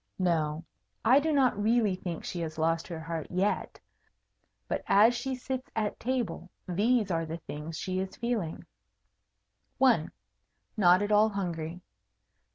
No: I do not really think she has lost her heart yet; but as she sits at table these are the things she is feeling: 1. Not at all hungry.